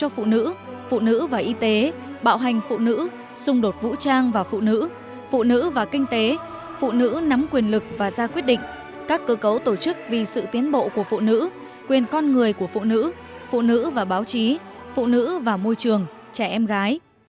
phụ nữ và kinh tế phụ nữ nắm quyền lực và ra quyết định các cơ cấu tổ chức vì sự tiến bộ của phụ nữ quyền con người của phụ nữ phụ nữ và báo chí phụ nữ và môi trường trẻ em gái